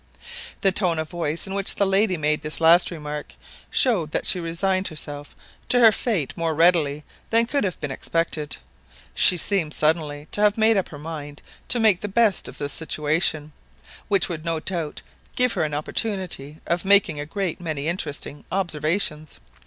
The tone of voice in which the lady made this last remark showed that she resigned herself to her fate more readily than could have been expected. She seemed suddenly to have made up her mind to make the best of the situation, which would no doubt give her an opportunity of making a great many interesting observations.